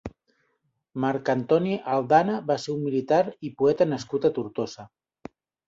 Marc Antoni Aldana va ser un militar i poeta nascut a Tortosa.